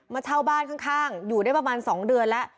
เช่าบ้านข้างอยู่ได้ประมาณ๒เดือนแล้ว